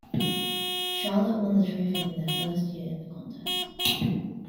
Charlotte won the trophy in their first year in the contest.